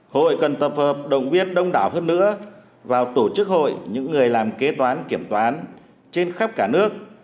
hội cần tập hợp đồng viên đông đảo hơn nữa vào tổ chức hội những người làm kế toán kiểm toán trên khắp cả nước